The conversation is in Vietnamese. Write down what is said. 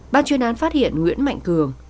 bác chuyên án phát hiện nguyễn mạnh cường